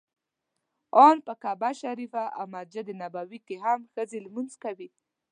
ان په کعبه شریفه او مسجد نبوي کې هم ښځې لمونځ کوي.